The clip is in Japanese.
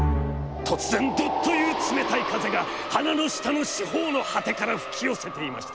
突然どッという冷めたい風が花の下の四方の涯から吹きよせていました。